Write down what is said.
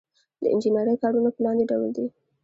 د انجنیری کارونه په لاندې ډول دي.